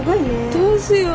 どうしよう。